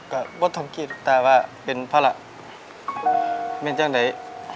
ก็บทสมคิดแต่ว่าเป็นภาระไม่จังไหน